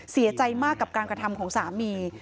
เสียใจมากกับการกระทำของสามี